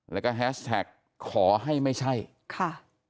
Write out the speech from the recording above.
แล้วก็แฮสแท็กขอให้ไม่ใช่ค่ะ